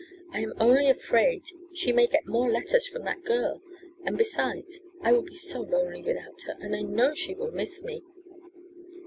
"I am only afraid she may get more letters from that girl And besides, I will be so lonely without her, and I know she will miss me."